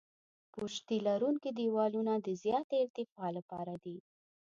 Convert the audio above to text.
پشتي لرونکي دیوالونه د زیاتې ارتفاع لپاره دي